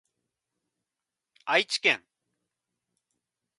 愛知県